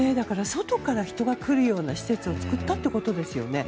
外から人が来るような施設を作ったということですよね。